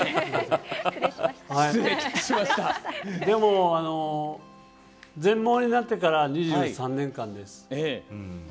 でも、全盲になってから２３年間です。